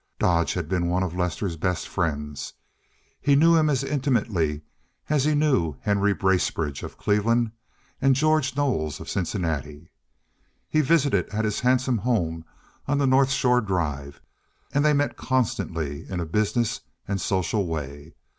Dodge had been one of Lester's best friends. He knew him as intimately as he knew Henry Bracebridge, of Cleveland, and George Knowles, of Cincinnati. He visited at his handsome home on the North Shore Drive, and they met constantly in a business and social way.